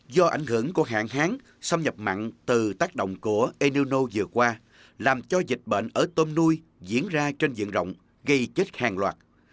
do ảnh hưởng của hạn hán xâm nhập mặn từ tác động của enino vừa qua làm cho dịch bệnh ở tôm nuôi diễn ra trên diện rộng gây chết hàng loạt